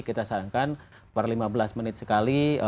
kita sarankan per lima belas menit sekali